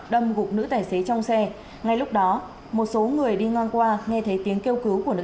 đâm gục nữ tài xế trong xe ngay lúc đó một số người đi ngang qua nghe thấy tiếng kêu cứu của nữ